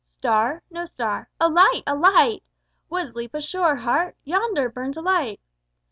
_ Star? No star: a Light, a Light! Wouldst leap ashore, Heart? Yonder burns a Light.